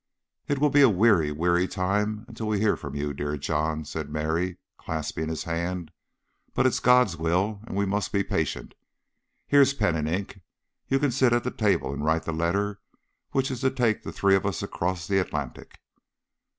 "It will be a weary, weary time until we hear from you, dear John," said Mary, clasping his hand; "but it's God's will, and we must be patient. Here's pen and ink. You can sit at the table and write the letter which is to take the three of us across the Atlantic."